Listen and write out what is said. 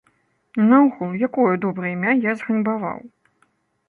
І наогул, якое добрае імя я зганьбаваў?